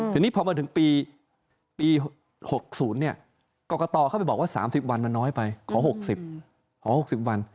ทีนี้พอมาถึงปี๖๐กรกตเข้าไปบอกว่า๓๐วันมันน้อยไปขอ๖๐ขอ๖๐วัน